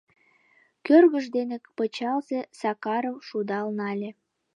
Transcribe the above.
Кӧргыж дене пычалзе Сакарым шудал нале: